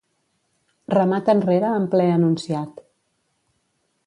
Remat enrere en ple enunciat.